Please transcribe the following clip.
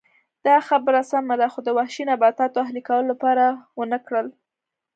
دا خبره سمه ده خو د وحشي نباتاتو اهلي کولو لپاره ونه کړل